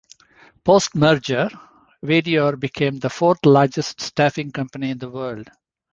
Post merger, Vedior became the fourth largest staffing company in the world.